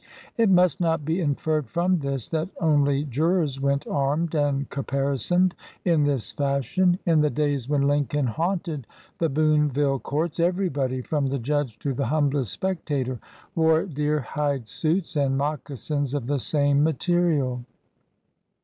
It must not be inferred from this that only jurors went armed and caparisoned in this fashion. In the days when Lincoln haunted the Boonville courts, everybody, from the judge to the humblest spectator, wore deer hide suits and moccasins of the same material.